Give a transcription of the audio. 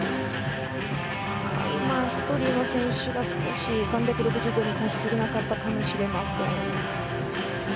今も１人の選手が少し３６０度に達しなかったかもしれません。